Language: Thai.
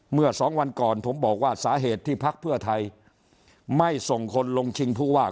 เมื่อสองวันก่อนผมบอกว่าสาเหตุที่พักเพื่อไทยไม่ส่งคนลงชิงผู้ว่า